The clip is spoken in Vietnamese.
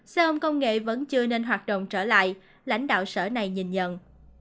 xe ôm công nghệ vẫn chưa nên hoạt động trở lại lãnh đạo sở này nhìn nhận